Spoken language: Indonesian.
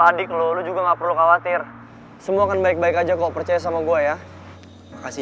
adik lo lu juga nggak perlu khawatir semua kan baik baik aja kok percaya sama gue ya makasih